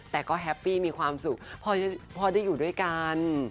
แต่ก็แฮปปี้มีความสุขพ่อได้อยู่ด้วยกัน